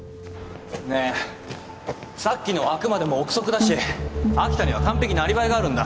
ねえさっきのはあくまでも臆測だし秋田には完璧なアリバイがあるんだ。